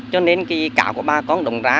cho nên cái cá của bà con đồng ra